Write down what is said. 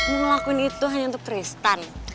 mau ngelakuin itu hanya untuk kristen